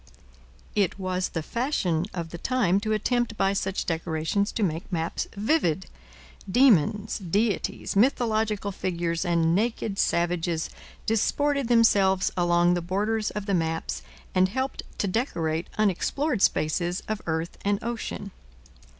It was the fashion of the time to attempt by such decorations to make maps vivid. Demons, deities, mythological figures and naked savages disported themselves along the borders of the maps and helped to decorate unexplored spaces of earth and ocean.